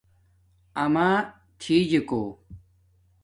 اماتھی جُوکو